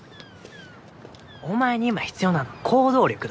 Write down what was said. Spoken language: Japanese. お前に今必要なのは行動力だ。